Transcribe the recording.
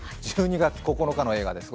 １２月９日の映画です。